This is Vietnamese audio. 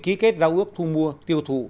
ký kết giao ước thu mua tiêu thụ